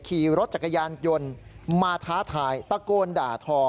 ขี่รถจักรยานยนต์มาท้าทายตะโกนด่าทอ